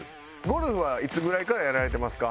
ゴルフはいつぐらいからやられてますか？